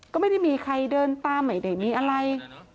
ก็ไม่ได้มีใครเดินตามไม่ได้มีอะไร